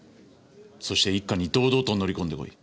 そして一課に堂々と乗り込んで来い。